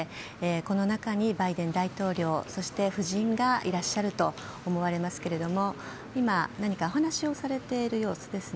この中にバイデン大統領そして夫人がいらっしゃると思われますが何かお話をされている様子ですね。